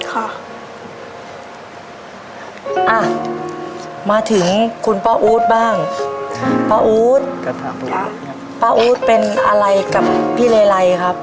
ค่ะมาถึงคุณป้าอู๊ดบ้างค่ะป้าอู๊ดป้าอู๊ดเป็นอะไรกับพี่เลไลครับ